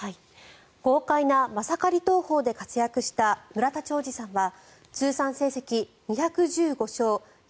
豪快なマサカリ投法で活躍した村田兆治さんは通算成績２１５勝